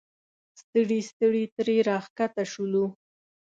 ستړي ستړي ترې راښکته شولو.